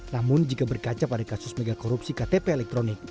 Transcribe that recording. namun jika berkaca pada kasus megakorupsi ktp elektronik